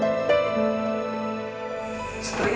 aku mau pergi ke rumah